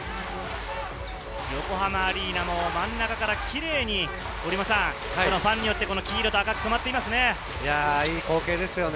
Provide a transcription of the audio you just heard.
横浜アリーナも真ん中からキレイにファンによって黄色と赤く染まっていますね。